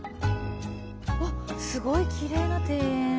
すごいきれいな庭園。